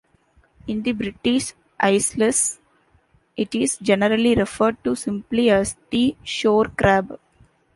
In the British Isles, it is generally referred to simply as the "shore crab".